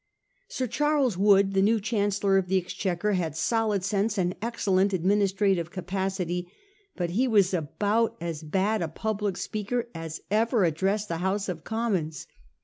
Sir Charles Wood, the new Chan cellor of the Exchequer, had solid sense and excel lent administrative capacity, hut he was about as bad a public speaker as ever addressed the House of Commons.